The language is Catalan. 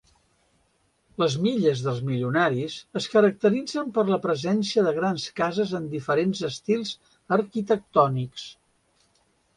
Les milles dels milionaris es caracteritzen per la presència de grans cases en diferents estils arquitectònics.